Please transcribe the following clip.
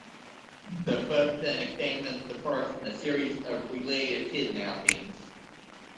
The book then examines the first in a series of related kidnappings.